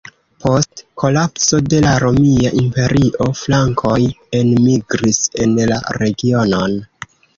Post kolapso de la Romia Imperio frankoj enmigris en la regionon.